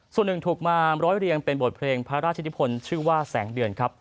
ส่วนหนึ่งถูกมาร้อยเรียงเป็นบทเพลงพระราชนิพลชื่อว่าแสงเดือนครับ